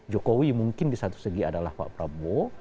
jokowi mungkin di satu segi adalah pak prabowo